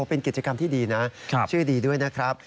เป็นกิจกรรมที่ดีนะชื่อดีด้วยนะครับ